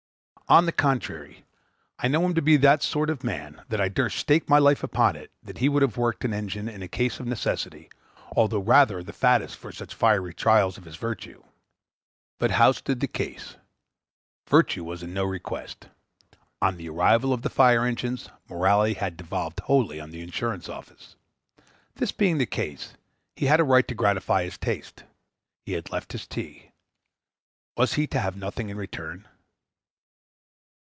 On the contrary, I know him to be that sort of man, that I durst stake my life upon it he would have worked an engine in a case of necessity, although rather of the fattest for such fiery trials of his virtue. But how stood the case? Virtue was in no request. On the arrival of the fire engines, morality had devolved wholly on the insurance office. This being the case, he had a right to gratify his taste. He had left his tea. Was he to have nothing in return?